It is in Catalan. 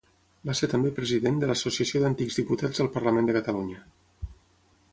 Va ser també president de l'Associació d'Antics Diputats al Parlament de Catalunya.